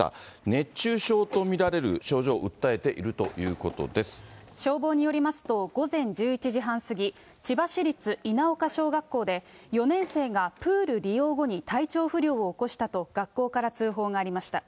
熱中症と見られる症状を訴えてい消防によりますと、午前１１時半過ぎ、千葉市立稲丘小学校で、４年生がプール利用後に体調不良を起こしたと、学校から通報がありました。